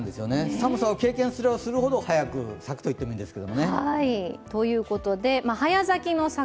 寒さを経験すればするほど早く咲くと言ってもいいです。